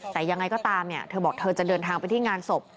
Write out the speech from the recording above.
แต่ยังไงก็ตามเนี่ยเธอบอกเธอจะเดินทางไปที่งานศพ